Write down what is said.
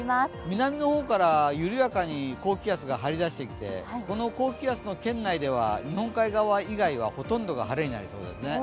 南の方から緩やかに高気圧が張り出してきてこの高気圧の圏内では日本海側以外ではほとんどが晴れになりそうですね。